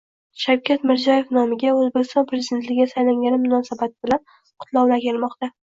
Shavkat Mirziyoyev nomiga O‘zbekiston prezidentligiga saylangani munosabat bilan qutlovlar kelmoqda